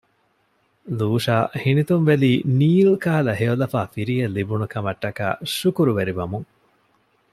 ލޫޝާ ހިނިތުންވެލީ ނީލް ކަހަލަ ހެޔޮލަފާ ފިރިއެއް ލިބުނުކަމަށްޓަކައި ޝުކުރުވެރިވަމުން